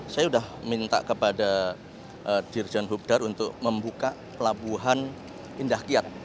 saya sudah minta kepada dirjan hubdar untuk membuka lapuhan indahkiat